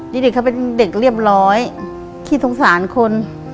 เด็กเขาเป็นเด็กเรียบร้อยขี้สงสารคน